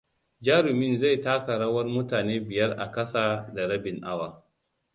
Jarumin zai taka rawar mutane biyar a kasa da rabin awa.